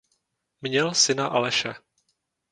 Měl syna Aleše.